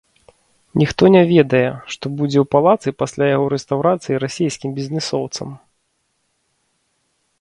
Ніхто не ведае, што будзе ў палацы пасля яго рэстаўрацыі расейскім бізнэсоўцам!